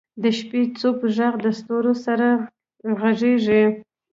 د شپې چوپ ږغ د ستورو سره غږېږي.